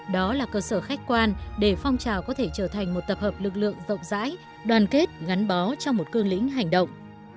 đó là cơ sở khách quan để phong trào có thể trở thành một tập hợp lực lượng rộng rãi đoàn kết gắn bó trong một cương lĩnh hành động